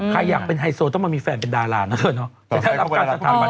ใครอยากเป็นไฮโซต้องมามีแฟนเป็นดารานะเธอเนาะ